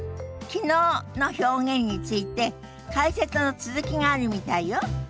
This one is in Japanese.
「昨日」の表現について解説の続きがあるみたいよ。